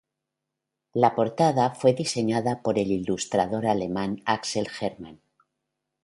La portada fue diseñada por el ilustrador alemán Axel Hermann.